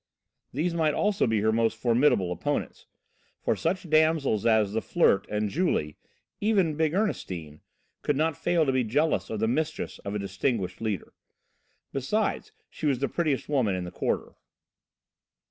These might also be her most formidable opponents, for such damsels as the Flirt and Julie, even big Ernestine, could not fail to be jealous of the mistress of a distinguished leader; besides, she was the prettiest woman in the quarter.